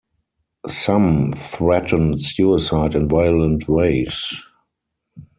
Some threatened suicide in violent ways.